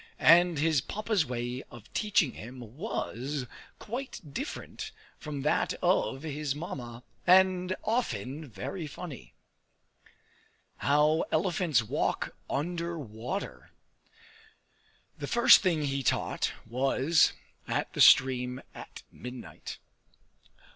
And his Papa's way of teaching him was quite different from that of his Mamma, and often very funny! How Elephants Walk under Water The first thing he taught was at the stream at midnight.